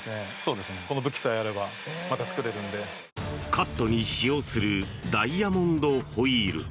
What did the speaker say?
カットに使用するダイヤモンドホイール。